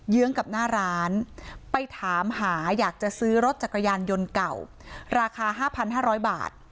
ื้องกับหน้าร้านไปถามหาอยากจะซื้อรถจักรยานยนต์เก่าราคา๕๕๐๐บาท